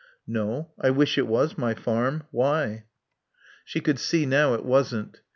"No. I wish it was my farm. Why?" She could see now it wasn't.